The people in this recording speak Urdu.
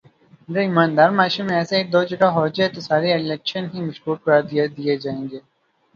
اگر ایماندار معاشرے میں ایسا ایک دو جگہ ہو جائے تو سارے الیکشن ہی مشکوک قرار دے دیئے جائیں گے